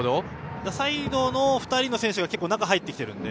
サイドの２人の選手が中に入ってきているので。